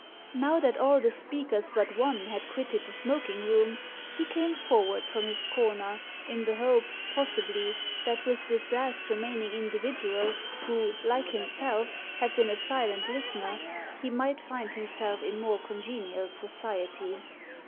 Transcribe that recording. Now that all the speakers but one had quitted the smoking room, he came forward from his comer, in the hope, possibly, that with this last remaining individual, who, like himself, had been a silent listener, he might find himself in more con genial society.